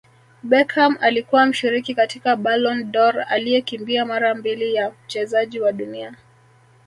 Beckham alikuwa mshiriki katika Ballon dOr aliyekimbia mara mbili ya Mchezaji wa Dunia